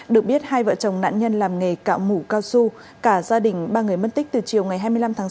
được biết hai vợ chồng nạn nhân làm nghề cạo mũ cao su cả gia đình ba người mất tích từ chiều ngày hai mươi năm tháng sáu